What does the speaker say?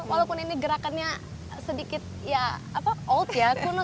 walaupun ini gerakannya sedikit ya old ya